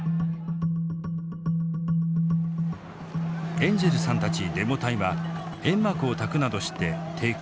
エンジェルさんたちデモ隊は煙幕をたくなどして抵抗。